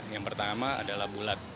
yang pertama adalah bulat